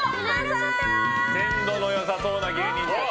鮮度の良さそうな芸人たち。